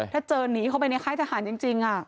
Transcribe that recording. ถ้าเจอหนีเข้าไปในค่ายทหารจริง